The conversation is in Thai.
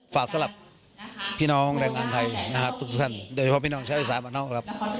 ฝากสลับพี่น้องแรงงานไทยนะครับทุกท่านเดี๋ยวพี่น้องใช้วิศาสตร์มานอกครับ